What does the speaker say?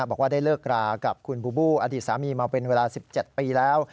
บอกว่าได้เลิกรากับคุณบูบูอดีตสามีมาเป็นเวลา๑๗ปีแล้ว